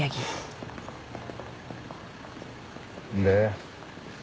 で？